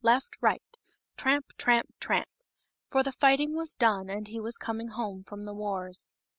— left, right !— tramp, tramp, tramp !— for the fighting was done, and he was coming home from the wars.